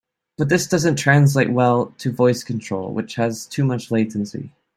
But this doesn't translate well to voice control, which has too much latency.